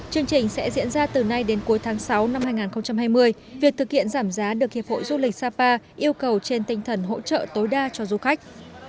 chương trình sẽ diễn ra từ nay đến cuối tháng sáu năm hai nghìn hai mươi việc thực hiện giảm giá được hiệp hội du lịch sapa yêu cầu trên tinh thần hỗ trợ tối đa cho du khách